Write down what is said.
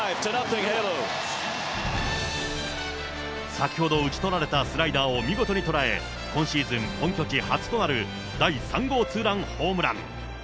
先ほど打ち取られたスライダーを見事にとらえ、今シーズン本拠地初となる第３号ツーランホームラン。